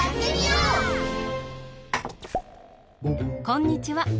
こんにちは。